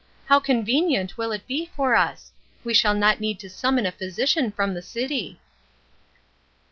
How convenient it will be for us ; we shall not need to summon a physician from the city."